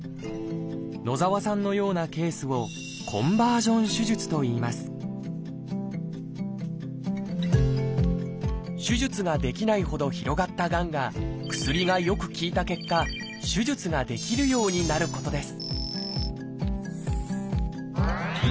野澤さんのようなケースを手術ができないほど広がったがんが薬がよく効いた結果手術ができるようになることです